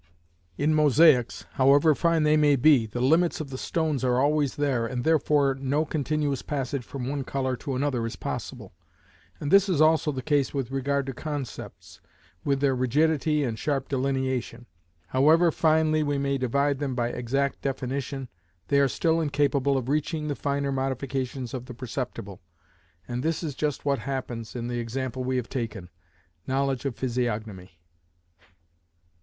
In mosaics, however fine they may be, the limits of the stones are always there, and therefore no continuous passage from one colour to another is possible, and this is also the case with regard to concepts, with their rigidity and sharp delineation; however finely we may divide them by exact definition, they are still incapable of reaching the finer modifications of the perceptible, and this is just what happens in the example we have taken, knowledge of physiognomy.